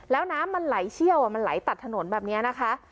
แล้วน้ำมันไหลเชี่ยวมันไหลตัดถนนแบบนี้นะคะ